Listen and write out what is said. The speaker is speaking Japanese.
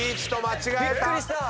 びっくりした！